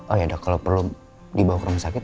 oh ya dok kalau perlu dibawa ke rumah sakit